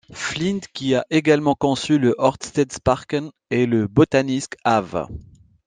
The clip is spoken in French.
Flindt qui a également conçu le Ørstedsparken et le Botanisk Have.